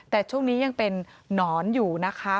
แต่ช่วงนี้ยังเป็นนอนอยู่นะคะ